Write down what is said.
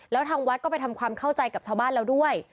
แล้วทางวัดก็ไปทำความเข้าใจกับชาวบ้านแล้วด้วย